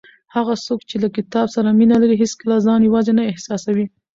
هغه څوک چې له کتاب سره مینه لري هیڅکله ځان یوازې نه احساسوي.